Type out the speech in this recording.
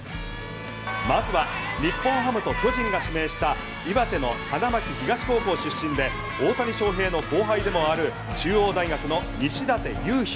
まずは日本ハムと巨人が指名した岩手の花巻東高校出身で大谷翔平の後輩でもある中央大学の西舘勇陽。